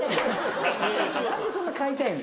何でそんな買いたいの。